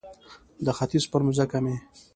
د ختیځ پر مځکه مې